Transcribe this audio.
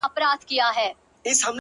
انسانه واه واه نو! قتل و قتال دي وکړ!